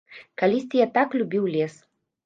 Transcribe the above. Калісьці я так любіў лес.